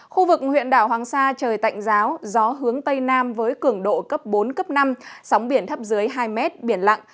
khu vực huyện đảo hoàng sa trời tạnh giáo gió hướng tây nam với cường độ cấp bốn cấp năm sóng biển thấp dưới hai mét biển lặng